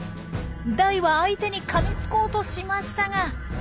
ダイは相手にかみつこうとしましたが。